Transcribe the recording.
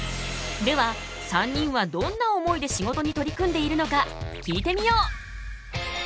では３人はどんな思いで仕事に取り組んでいるのか聞いてみよう！